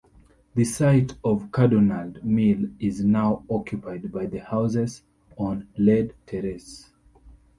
The site of Cardonald Mill is now occupied by the houses on Lade Terrace.